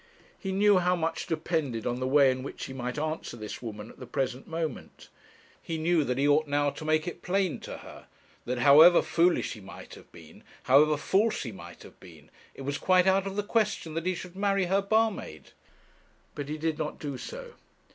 He knew how much depended on the way in which he might answer this woman at the present moment; he knew that he ought now to make it plain to her, that however foolish he might have been, however false he might have been, it was quite out of the question that he should marry her barmaid. But he did not do so.